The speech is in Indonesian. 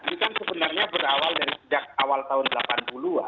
ini kan sebenarnya berawal dari sejak awal tahun delapan puluh an